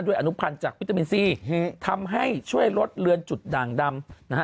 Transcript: อนุพันธ์จากวิตามินซีทำให้ช่วยลดเลือนจุดด่างดำนะฮะ